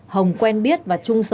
hồng quen biết và chung với hồng